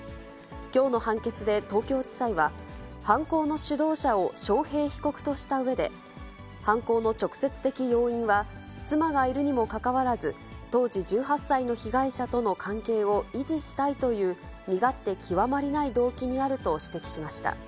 きょうの判決で東京地裁は、犯行の主導者を章平被告としたうえで、犯行の直接的要因は、妻がいるにもかかわらず、当時１８歳の被害者との関係を維持したいという、身勝手極まりない動機にあると指摘しました。